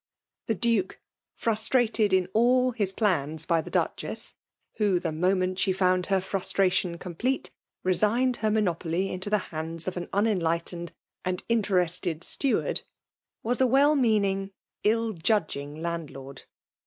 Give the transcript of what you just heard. The Duke — ^firustrated in all his fdans by the Duchess, who, the moment she found her frustration complete, resigned her mcmopdy into the hands of an unenlightened and int^ rested steward — was a well meaaiing, ill* judging landlord.